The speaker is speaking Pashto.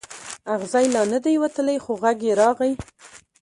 اغزی لا نه دی راوتلی خو غږ یې راغلی.